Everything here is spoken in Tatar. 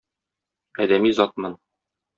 Адәми затмын.